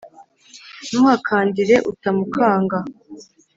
ntuhakandire utamukanga